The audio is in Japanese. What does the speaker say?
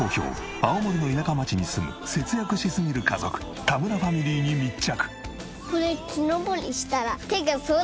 青森の田舎町に住む節約しすぎる家族田村ファミリーに密着。